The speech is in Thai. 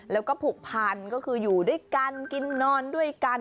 แล้วก็ผูกพันก็คืออยู่ด้วยกันกินนอนด้วยกัน